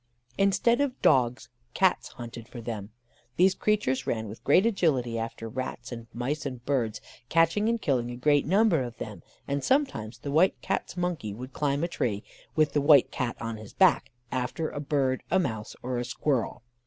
Instead of dogs, Cats hunted for them. These creatures ran with great agility after rats, and mice, and birds, catching and killing a great number of them; and sometimes the White Cat's monkey would climb a tree, with the White Cat on his back, after a bird, a mouse, or a squirrel.